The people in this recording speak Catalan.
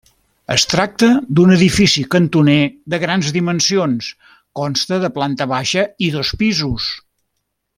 Es tracta d'un edifici cantoner de grans dimensions, consta de planta baixa i dos pisos.